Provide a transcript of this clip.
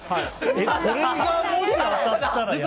これがもし当たったらやばいよ。